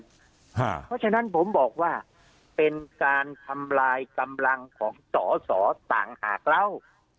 เพราะฉะนั้นผมบอกว่าเป็นการทำลายกำลังของสอสอต่างหากเล่า